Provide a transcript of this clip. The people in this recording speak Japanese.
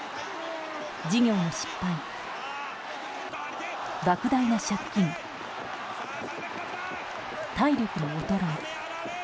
事業の失敗、莫大な借金体力の衰え。